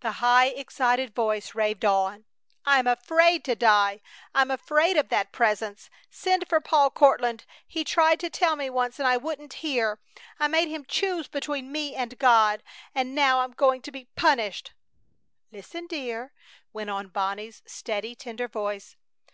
The high, excited voice raved on: "I'm afraid to die! I'm afraid of that Presence! Send for Paul Courtland! He tried to tell me once, and I wouldn't hear! I made him choose between me and God! And now I'm going to be punished!" "Listen, dear!" went on Bonnie's steady, tender voice.